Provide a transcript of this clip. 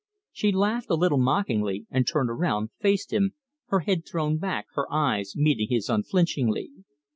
She laughed a little mockingly, and turning round, faced him, her head thrown back, her eyes meeting his unflinchingly.